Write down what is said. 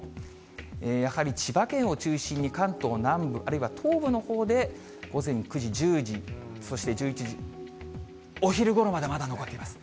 やはり千葉県を中心に関東南部、あるいは東部のほうで午前９時、１０時、そして１１時、お昼ごろまで、まだ残っています。